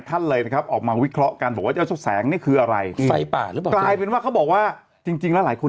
เขาไม่ถูกแบบหลายคน